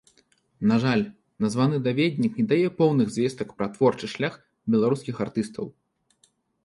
На жаль, названы даведнік не дае поўных звестак пра творчы шлях беларускіх артыстаў.